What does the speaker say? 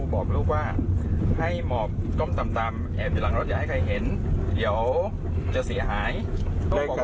โทรมาตอนช่วงเย็นเห็นว่าจะขอไกลเกียร์